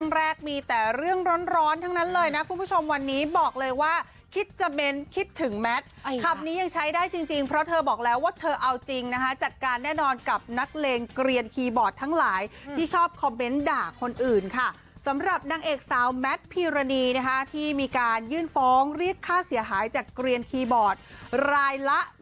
แรกมีแต่เรื่องร้อนทั้งนั้นเลยนะคุณผู้ชมวันนี้บอกเลยว่าคิดจะเน้นคิดถึงแมทคำนี้ยังใช้ได้จริงเพราะเธอบอกแล้วว่าเธอเอาจริงนะคะจัดการแน่นอนกับนักเลงเกลียนคีย์บอร์ดทั้งหลายที่ชอบคอมเมนต์ด่าคนอื่นค่ะสำหรับนางเอกสาวแมทพีรณีนะคะที่มีการยื่นฟ้องเรียกค่าเสียหายจากเกลียนคีย์บอร์ดรายละ